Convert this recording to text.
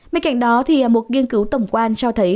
bên cạnh đó một nghiên cứu tổng quan cho thấy